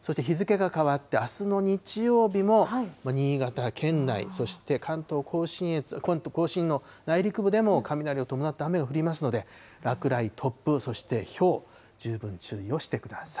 そして、日付が変わってあすの日曜日も、新潟県内、そして関東甲信の内陸部でも雷を伴った雨が降りますので、落雷、突風、そしてひょう、十分注意をしてください。